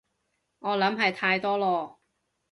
我諗係太多囉